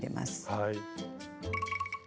はい。